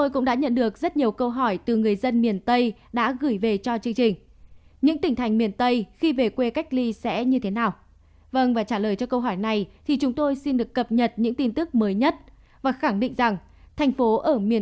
các bạn hãy đăng ký kênh để ủng hộ kênh của chúng mình nhé